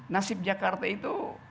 nasib jakarta itu